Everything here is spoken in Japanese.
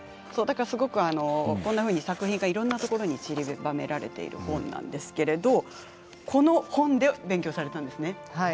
だからすごくこんなふうに作品がいろんなところに散りばめられている本なんですけれどもこの本で勉強されたんですね。